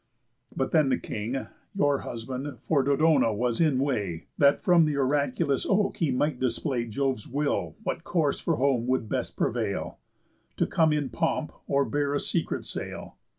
But then the king, Your husband, for Dodona was in way, That from th' Oraculous Oak he might display Jove's will what course for home would best prevail, To come in pomp, or bear a secret sail.